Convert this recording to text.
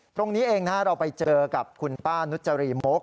ตรงนี้เองเราไปเจอกับคุณป้านุจรีมก